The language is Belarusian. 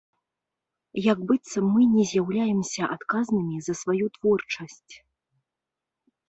Як быццам мы не з'яўляемся адказнымі за сваю творчасць.